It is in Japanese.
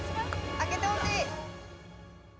開けてほしい。